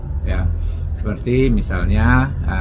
sebenarnya kita harus memperhatikan hal hal yang terbaru